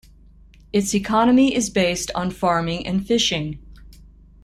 Its economy is based on farming and fishing.